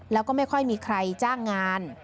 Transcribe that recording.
แล้วก็ไม่ค่อยมีใครจ้างงาน